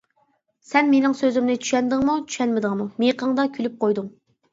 سەن مېنىڭ سۆزۈمنى چۈشەندىڭمۇ، چۈشەنمىدىڭمۇ مىيىقىڭدا كۈلۈپ قويدۇڭ.